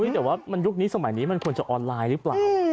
แต่ว่ามันยุคนี้สมัยนี้มันควรจะออนไลน์หรือเปล่า